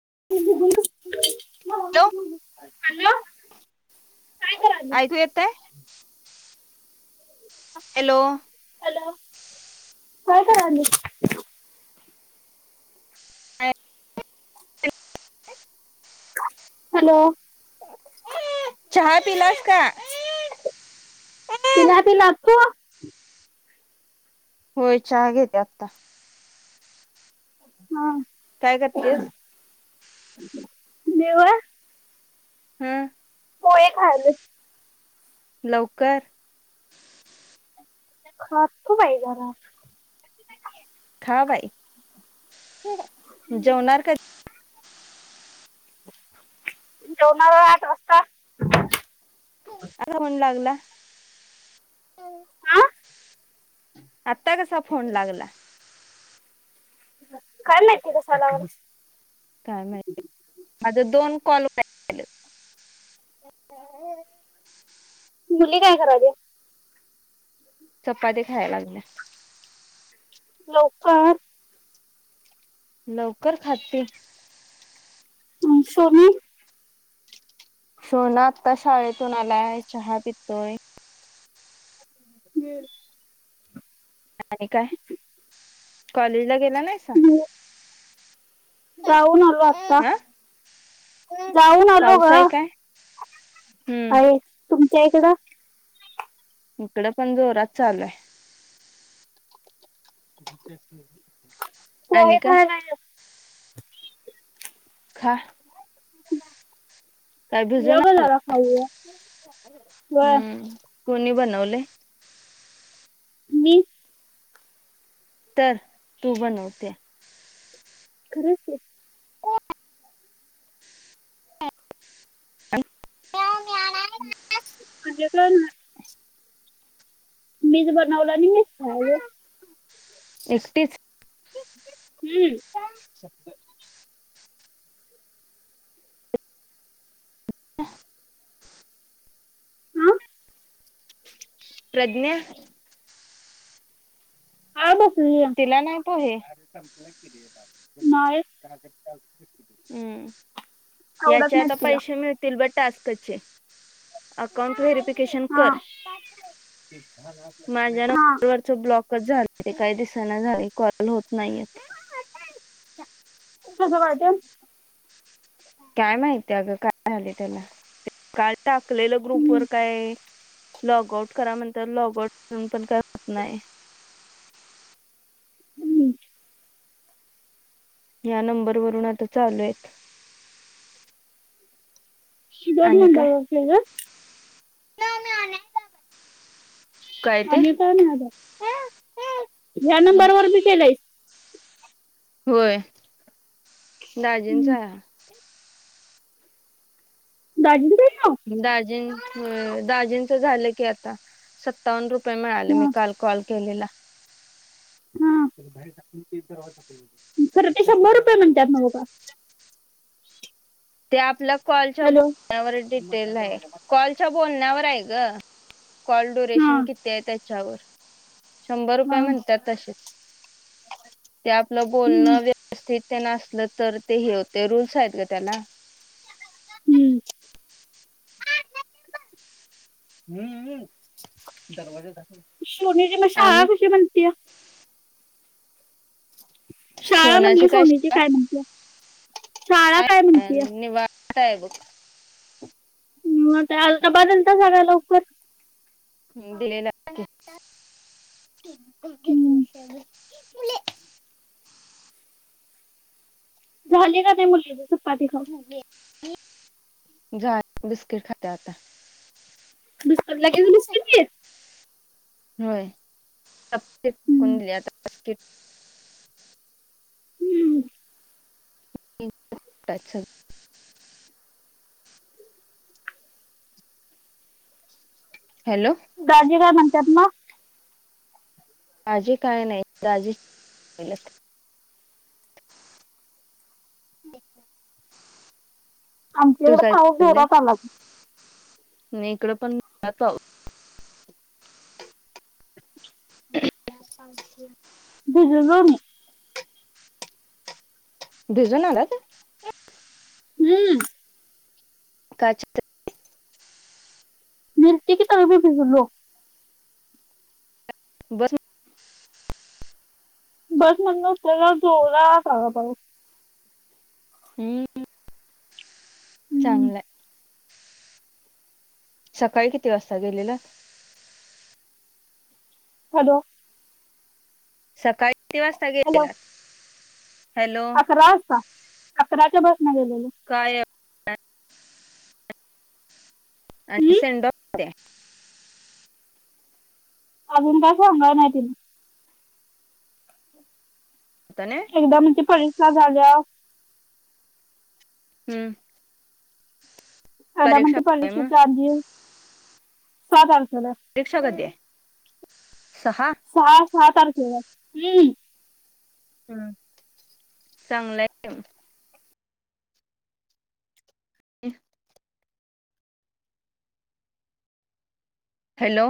Hello काय करायली ऐकू येतंय हॅलो काय करू राहिली हॅलो तिलास्का [unintelligible] होय चहा घेते आता हा काय करतेस देव हम्म हो ये खाली लवकर खर खू बाई जरा खा बाई जेवणार का जेवणार आठ वाजता आं म्हणू लागला हा आता कसा फोन लागला काल माहित कसा लागला काय माहिती माझे दोन कॉल [inaudible] मुली काय करू राहिल्या चपाती खाय लागल्या लोकर लवकर खाते हम समीर सोना आत्ता शाळेतून आलाय चहा पितोय हम आणि काय कॉलेजला गेला नाही का जाऊन आलो आता जाऊन आलो पाऊस ग आहे काय हम्म आहे तुमच्या इकडं इकड पण जोरात चालूय पोहे खाऊ राहिलो खा [inaudible] काय ये भिजून ग जरा आला खाऊया व हम्म कोणी बनवले मी तर तू बनवते खरंच की [unintelligible] मीच बनवला आणि मीच खायले. एकटीच हम्म. [inaudible] हा प्रज्ञा आमं तिला नाय पोहे नाही हम्म आवडत याचे आता नाहीत तिला पैशे मिळतील बट टास्क चे अकाउंट व्हेरीकेशन हा कर माझ्या ना हा [inaudible] वरचा ब्लॉकच झालय काय दिस चना झाले कॉल होत नाहीयेत. कसं वाटेल? काय माहिती अगं काय झाले त्याला काल टाकलेलं ग्रुप हम्म, वर काय लॉगआउट करा म्हणतात, लॉगआउट करून पण काय होत नाही. हम्म. या नंबरवरून आता चालू आहेत. दोन आणि काय नंबर वर केलसं. काय ते आणि काय नाय अजार, ह्या नंबरवर बी केलाय. होय हम्म. दाजींचा हा. दाजी कुठे दाजीं होय दाजींचा झालं की आता सत्तावन रुप पय मिळाले मी हा काल कॉल केलेला. हा [inaudible] खरं ते शंभर रुपये म्हणत्यात ना हो पा ते आपल्या कॉलच्या हॅलो बोलण्यावर डिटेल आहे. कॉलच्या बोलण्यावर आहे ग कॉल हा डुरेशन किती आहे त्याच्यावर शंभर हा रुपये म्हणत्यात तशे. [inaudible] ते आपलं हम्म, बोलणं व्य स्थित तेन असलं तर ते हे होते रूल्स आहेत गं त्याला. हम्म. हम्म, दरवाजा झाकून शोनी जी म शाळा कुशी म्हणतीया [inaudible] शाळा सोनाची म्हणली सोनीची शिवा काय म्हटलं? [unintelligible] म ते आलता बदलता सगळं लवकर. हम्म, दिलेला की. हम्म. [unintelligible] झाली का नाही मुलगीचा चपाती खाऊन? झालं बिस्किट खाते आता. मिस्कॉल लगेच. [unintelligible] होय [unintelligible] हम्म. कोणी दिली आता बिस्कीट. [inaudible] हॅलो दाजी काय म्हणत्यात म? आजी काय नाही दाजी. [unintelligible] [inaudible] आमच्या तुझं इकड पाऊस घरात आला नही इकडं पण यतो [inaudible] भिजलो मी भिजून आलाात हम्म का छत्री न्हेतील की तरी भिजलो बस बस मधून उतरलेवर जोरात आला पाऊस हम् चांगलंय सकाळी किती वाजता गेलेला हॅलो सकाळी किती वाजता हॅलो गेलेलात हॅलो अकरा वाजता अकराच्या बसने ने गेलेलो काय आणि हम्म सेंडऑफ अजून काय सांगायला नाही त्यांनी होतं ना एकदा म्हनंत्यात परीक्षा झालेवर हम्म एकदा परीक्षा म्हणतात कधी आहे मग परीक्षेचे आधी परीक्षा कधी आहे सहा सहा सहा तारखेला हम्म हम् चांगलंय [unintelligible] हॅलो